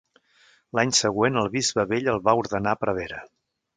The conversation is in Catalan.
L'any següent, el Bisbe Bell el va ordenar prevere.